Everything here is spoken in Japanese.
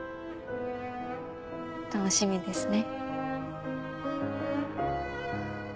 楽しみですね。